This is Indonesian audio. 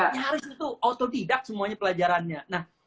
nyaris itu autodidak semuanya pelajarannya